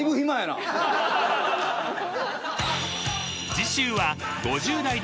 ［次週は］